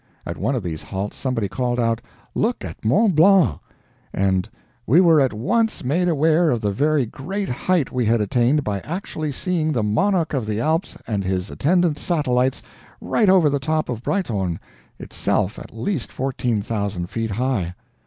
At one of these halts somebody called out, "Look at Mont Blanc!" and "we were at once made aware of the very great height we had attained by actually seeing the monarch of the Alps and his attendant satellites right over the top of the Breithorn, itself at least 14,000 feet high!"